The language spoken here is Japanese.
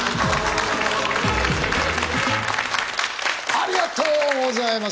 ありがとうございます。